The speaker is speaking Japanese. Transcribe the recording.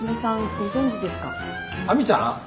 亜美ちゃん？